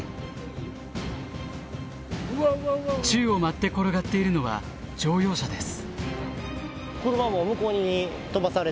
宙を舞って転がっているのは乗用車です。